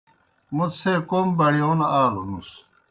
موْ څھے کوْم بَڑِیون آلوْنُس۔